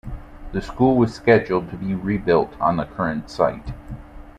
The school was scheduled to be rebuilt on the current site.